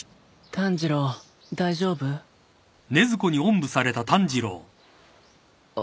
炭治郎大丈夫？ん。